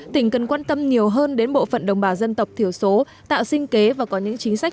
tỉnh cần quan tâm nhiều hơn đến bộ phận đồng bào dân tộc thiểu số tạo sinh kế và có những chính sách